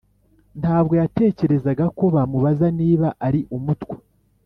ntabwo yatekerezaga ko bamubaza niba ari Umutwa,